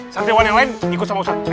santriwan yang lain ikut sama ustadz